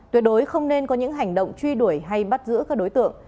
tuyệt đối không nên có những hành động truy đuổi hay bắt giữ các đối tượng